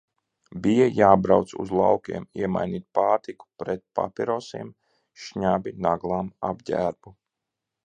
Bija jābrauc uz laukiem iemainīt pārtiku pret papirosiem, šņabi, naglām, apģērbu.